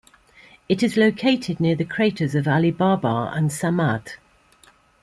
It is located near the craters Ali Baba and Samad.